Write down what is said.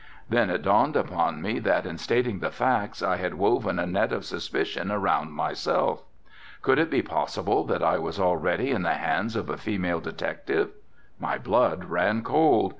Then it dawned upon me that in stating the facts I had woven a net of suspicion around myself. Could it be possible that I was already in the hands of a female detective? My blood ran cold.